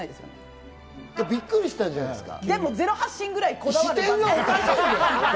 びっくりしたんじゃないですか？